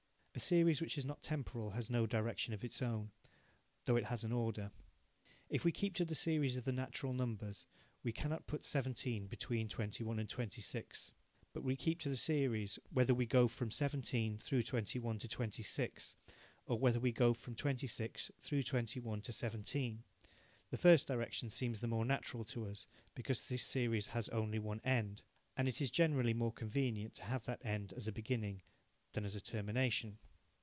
A series which is not temporal has no direction of its own, though it has an order. If we keep to the series of the natural numbers, we cannot put 17 between 21 and 26. But we keep to the series, whether we go from 17, through 21, to 26, or whether we go from 26, through 21, to 17. The first direction seems the more natural to us, because this series has only one end, and it is generally more convenient to have that end as a beginning than as a termination.